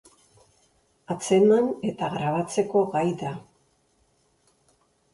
Atzeman eta grabatzeko gai da.